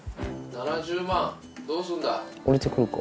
７０万どうすんだ。